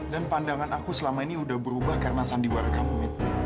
dan pandangan aku selama ini udah berubah karena sandiwara kamu mit